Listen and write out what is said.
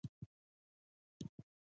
دړه او بنه د بشري ټولنې اصطلاحات دي